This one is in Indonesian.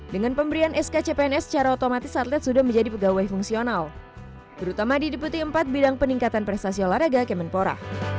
dengan pemberian skcpns secara otomatis atlet sudah menjadi pegawai fungsional terutama di deputi empat bidang peningkatan prestasi olahraga kemenpora